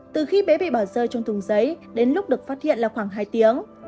từ khi bé bị bỏ rơi trong thùng giấy đến lúc được phát hiện là khoảng hai tiếng